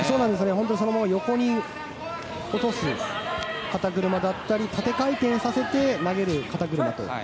本当にそのまま横に落とす肩車だったり縦回転させて投げる肩車だと。